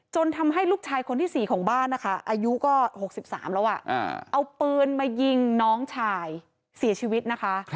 ทำให้ลูกชายคนที่๔ของบ้านนะคะอายุก็๖๓แล้วเอาปืนมายิงน้องชายเสียชีวิตนะคะ